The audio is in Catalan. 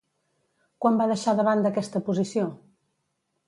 Quan va deixar de banda aquesta posició?